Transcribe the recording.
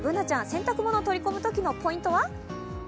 Ｂｏｏｎａちゃん、洗濯物を取り込むときのポイントは？